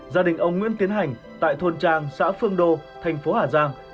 gia đình ông nguyễn tiến hành tại thôn trang xã phương đô thành phố hà giang